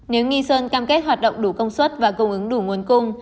nếu nghi sơn cam kết hoạt động đủ công suất và cung ứng đủ nguồn cung